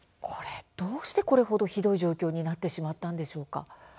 どうしてこれほどひどい状況になってしまったんでしょうか。